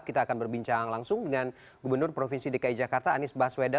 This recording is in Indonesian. kita akan berbincang langsung dengan gubernur provinsi dki jakarta anies baswedan